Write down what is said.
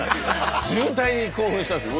渋滞に興奮したんですよ。